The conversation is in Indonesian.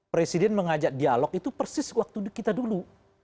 presiden mengajak dialog itu persis waktu kita dulu